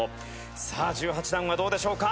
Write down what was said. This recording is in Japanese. さあ１８段はどうでしょうか？